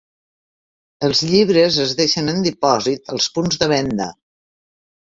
Els llibres es deixen en dipòsit als punts de venda.